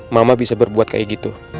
mama bisa berbuat kayak gitu